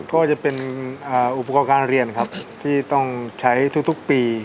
ก็จะเป็นอุปกรณ์การเรียนครับที่ต้องใช้ทุกปี